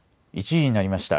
１時になりました。